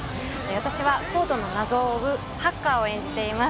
私はＣＯＤＥの謎を追うハッカーを演じています。